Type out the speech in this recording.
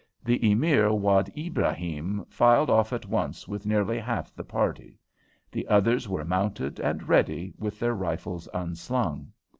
The Emir Wad Ibrahim filed off at once with nearly half the party. The others were mounted and ready, with their rifles unslung.